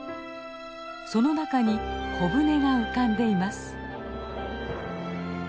その中に小舟が浮かんでいます。